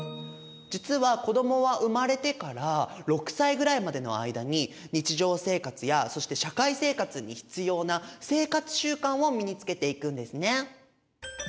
実は子どもは生まれてから６歳ぐらいまでの間に日常生活やそして社会生活に必要な生活習慣を身につけていくんですね。